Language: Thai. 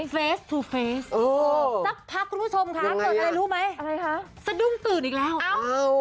ฟาสต์ทูฟาสต์เออยังไงอะไรคะสะดุ้งตื่นอีกแล้วเอ้า